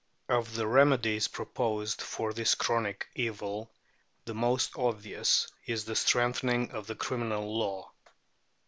Of the remedies proposed for this chronic evil the most obvious is the strengthening of the criminal law.